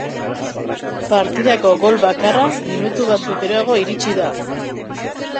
Partidako gol bakarra minutu batzuk geroago iritsi da.